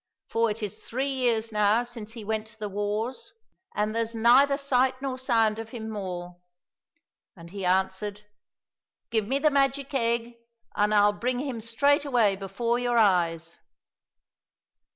for it is three years now since he went to the wars, and there's neither sight nor sound of him more !"— ^And 242 THE MAGIC EGG he answered, " Give me the magic egg, and I'll bring him straightway before your eyes